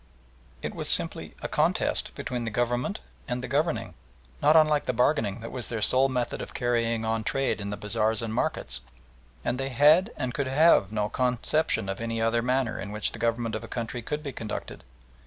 It was simply a contest between the Government and the governing, not unlike the bargaining that was their sole method of carrying on trade in the bazaars and markets, and they had and could have no conception of any other manner in which the Government of a country could be conducted.